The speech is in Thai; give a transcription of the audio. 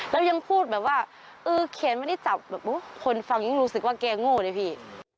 แล้วยังพูดแบบว่าเออเขียนไม่ได้จับแบบคนฟังยิ่งรู้สึกว่าแกโง่เลยพี่